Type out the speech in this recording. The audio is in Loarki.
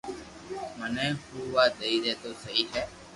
مني ھووا دئي تو سھي ھي